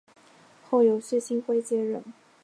后由薛星辉接任。